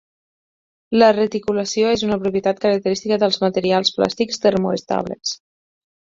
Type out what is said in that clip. La reticulació és una propietat característica dels materials plàstics termoestables.